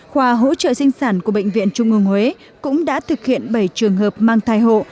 khoa hỗ trợ sinh sản của bệnh viện trung ương huế cũng đã thực hiện bảy trường hợp mang thai hộ